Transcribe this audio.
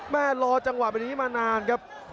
รอจังหวะแบบนี้มานานครับ